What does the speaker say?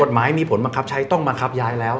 กฎหมายมีผลบังคับใช้ต้องบังคับย้ายแล้ว